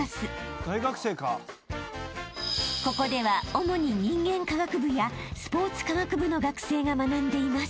［ここでは主に人間科学部やスポーツ科学部の学生が学んでいます］